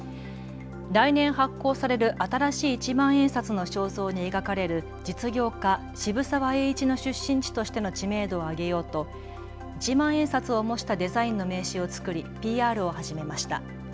来年発行される新しい一万円札の肖像に描かれる実業家、渋沢栄一の出身地としての知名度を上げようと一万円札を模したデザインの名刺を作りＰＲを始めました。